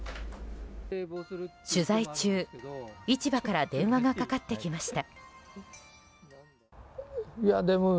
取材中、市場から電話がかかってきました。